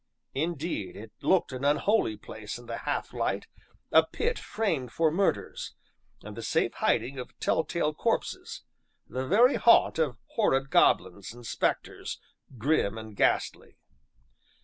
Indeed, it looked an unholy place in the half light, a pit framed for murders, and the safe hiding of tell tale corpses, the very haunt of horrid goblins and spectres, grim and ghastly.